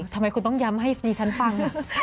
ทำไมคุณต้องย้ำให้ดิฉันฟัง